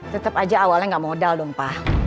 tetep aja awalnya gak modal dong pa